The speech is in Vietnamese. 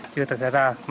chưa thực hiện ra